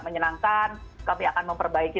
menyenangkan tapi akan memperbaiki